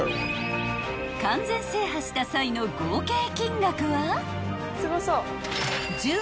［完全制覇した際の合計金額は］